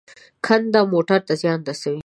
کنده موټر ته زیان رسوي.